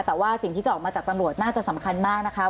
แต่ว่าสิ่งที่จะออกมาจากตำรวจน่าจะสำคัญมากนะคะ